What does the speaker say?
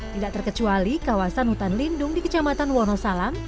tidak terkecuali kawasan hutan lindung di kecamatan wonosalam